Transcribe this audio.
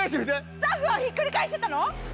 スタッフはひっくり返してたの？